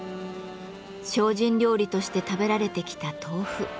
精進料理として食べられてきた豆腐。